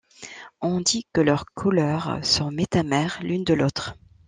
On dit que leurs couleurs sont métamères l'une de l'autre.